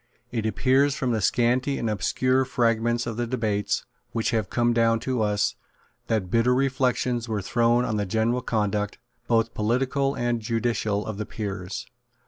It appears, from the scanty and obscure fragments of the debates which have come down to us, that bitter reflections were thrown on the general conduct, both political and judicial, of the Peers.